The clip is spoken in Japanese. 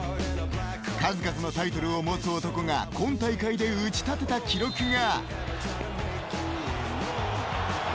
数々のタイトルを持つ男が今大会で打ち立てた記録が。